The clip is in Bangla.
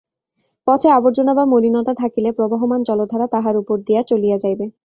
পথে আবর্জনা বা মলিনতা থাকিলে প্রবহমান জলধারা তাহার উপর দিয়া চলিয়া যাইবে।